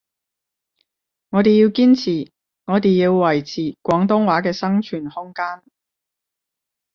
我哋要堅持，我哋要維持廣東話嘅生存空間